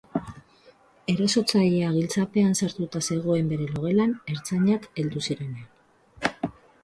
Erasotzailea giltzapean sartuta zegoen bere logelan ertzainak heldu zirenean.